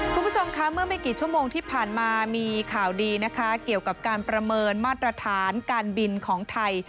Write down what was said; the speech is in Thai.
คุณผู้ชมค่ะเมื่อไม่กี่ชั่วโมงที่ผ่านมามีข่าวดีนะคะเกี่ยวกับการประเมินมาตรฐานการบินของไทย